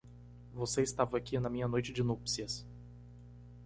Você estava aqui na minha noite de núpcias.